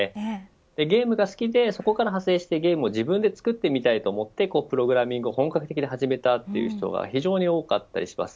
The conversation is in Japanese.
ゲームが好きで、そこから派生して、ゲームを自分で作ってみたいと思ってプログラミングを本格的に始めたという人が非常に多かったりします。